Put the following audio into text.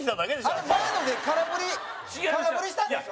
蛍原：前ので、空振り空振りしたんでしょ？